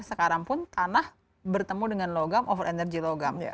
sekarang pun tanah bertemu dengan logam over energy logam